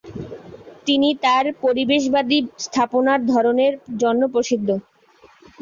তিনি তার পরিবেশবাদী স্থাপনার ধরনের জন্য প্রসিদ্ধ।